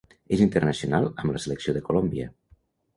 És internacional amb la selecció de Colòmbia.